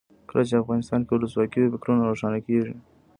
کله چې افغانستان کې ولسواکي وي فکرونه روښانه کیږي.